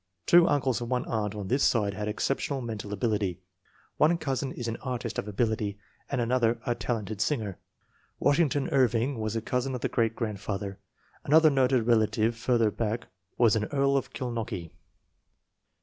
Two uncles and one aunt on this side had exceptional mental ability. One cousin is an artist of ability, and an other a talented singer. Washington Irving was a cousin of the great grandfather. Another noted rel ative farther back was an earl of Kilnockie.